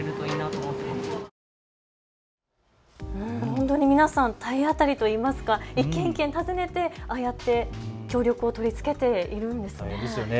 本当に皆さん、体当たりといいますか一軒一軒訪ねてああやって協力を取り付けているんですね。